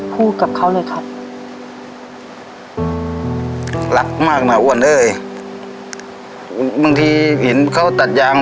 พูดกับเขาเลยครับรักมากน่ะอ้วนเอ้ยบางทีเห็นเขาตัดยาง